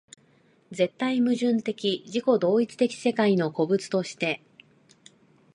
絶対矛盾的自己同一的世界の個物として